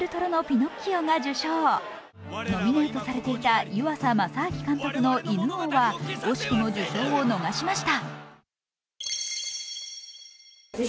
ノミネートされていた湯浅政明監督の「犬王」は惜しくも受賞を逃しました。